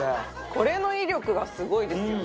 これの威力がすごいですよね。